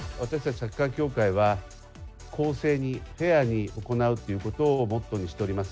サッカー協会は、公正に、フェアに行うということをモットーにしております。